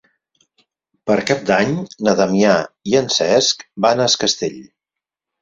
Per Cap d'Any na Damià i en Cesc van a Es Castell.